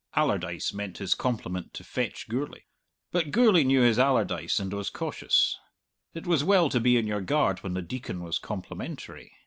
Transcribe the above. Allardyce meant his compliment to fetch Gourlay. But Gourlay knew his Allardyce, and was cautious. It was well to be on your guard when the Deacon was complimentary.